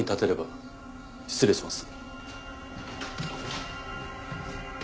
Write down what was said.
失礼します。